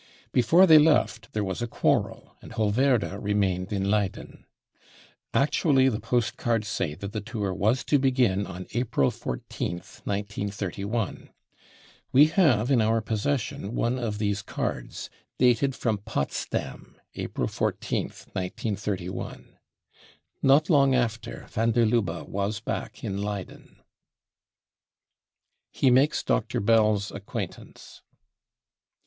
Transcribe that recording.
Before they left there was a quarrel, and Holverda remained ?n Leyden. Actually, the postcards say that the tour was to begin on April 14th, 1931. We have in our possession one of these cards, dated from Potsdam April 14/A, 1931. Not long after, van der Lubbe was back in Leyden. He makes Dr. Bell's Acquaintance.